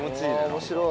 面白い。